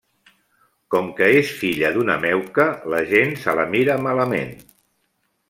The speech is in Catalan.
Com que és filla d'una meuca, la gent se la mira malament.